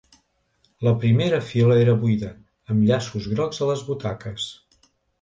La primera fila era buida, amb llaços grocs a les butaques.